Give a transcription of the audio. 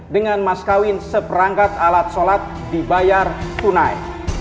dengan mas kawin seperangkat alat sholat dibayar tunai